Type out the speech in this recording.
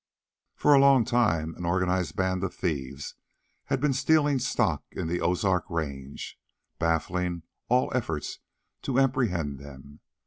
For a long time, an organized band of thieves had been stealing stock in the Ozark range, baffling all efforts to apprehend them.